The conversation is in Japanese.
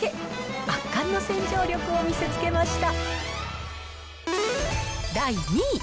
圧巻の洗浄力を見せつけました。